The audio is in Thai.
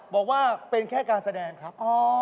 บอกว่าเป็นแค่การแสดงครับ